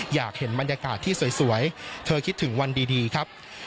อยากเห็นบรรยากาศที่สวยเธอคิดถึงวันดีครับ